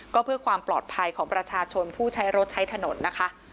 ก็เพื่อความปลอดภัยของประชาชนผู้ใช้รถใช้ถนนนะคะ